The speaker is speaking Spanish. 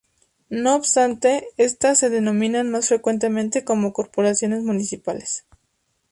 No obstante, estas se denominan más frecuentemente como corporaciones municipales.